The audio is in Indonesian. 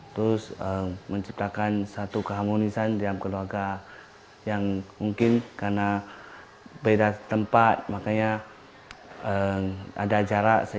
terus menciptakan satu keharmonisan dalam keluarga yang mungkin karena beda tempat makanya ada jarak